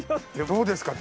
どうですか？